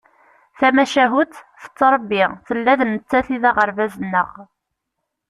Tamacahut tettrebbi, tella d nettat i d aɣerbaz-nneɣ.